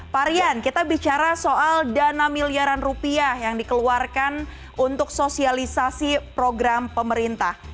pak rian kita bicara soal dana miliaran rupiah yang dikeluarkan untuk sosialisasi program pemerintah